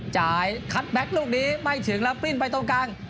คัทแก๊กลูกนี้ไม่ถึงแล้วปลิ้นไปตรงกลาง